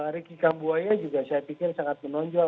ricky kambuaya juga saya pikir sangat menonjol